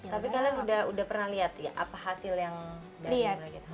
tapi kalian udah pernah lihat ya apa hasil yang dari dulu gitu